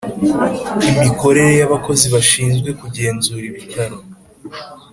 imikorere y abakozi bashinzwe kugenzura ibitaro